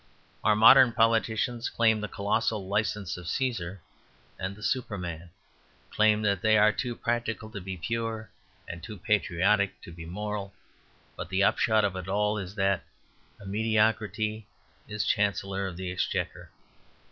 Our modern politicians claim the colossal license of Caesar and the Superman, claim that they are too practical to be pure and too patriotic to be moral; but the upshot of it all is that a mediocrity is Chancellor of the Exchequer.